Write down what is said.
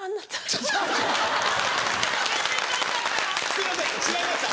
すいません違いました